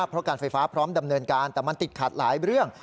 เพราะการไฟฟ้าพร้อมดำเนินการแต่มันติดขัดหลายเรื่อง